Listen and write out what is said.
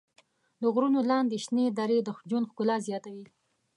د غرونو لاندې شنې درې د ژوند ښکلا زیاتوي.